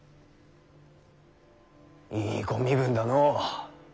いいご身分だのう。